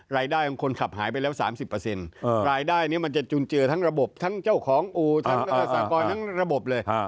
๑๐รายได้มันจะจุนเจอทั้งระบบทั้งเจ้าของอู่ทั้งสากรทั้งระบบเลย